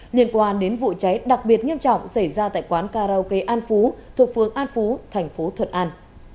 liên quan đến vụ cháy đặc biệt nghiêm trọng xảy ra tại quán karaoke an phú thuộc phương an phú thành phố thuận an